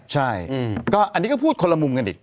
ใช่ก็อันนี้ก็พูดคนละมุมกันอีก